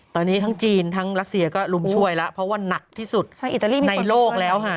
ตอนนี้ทั้งจีนทั้งรัสเซียก็รุมช่วยแล้วเพราะว่าหนักที่สุดในโลกแล้วค่ะ